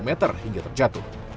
tiga meter hingga terjatuh